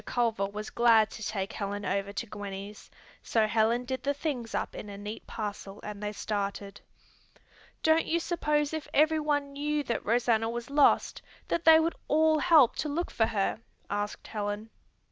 Culver was glad to take Helen over to Gwenny's, so Helen did the things up in a neat parcel and they started. "Don't you suppose if everyone knew that Rosanna was lost that they would all help to look for her?" asked Helen.